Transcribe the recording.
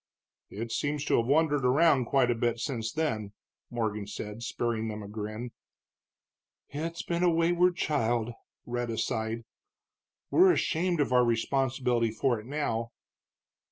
"It seems to have wandered around quite a bit since then," Morgan said, sparing them a grin. "It's been a wayward child," Rhetta sighed. "We're ashamed of our responsibility for it now."